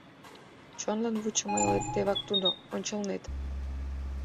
Чонлын вучымо элет Тевак тудо — ончылнет!